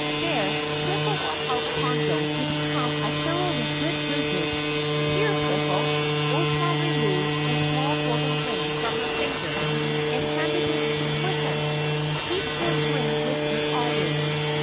There, Twiffle will help Conjo to become a thoroughly good wizard. Here, Twiffle," Ozma removed a small golden ring from her finger and handed it to Twiffle. "Keep this ring with you always.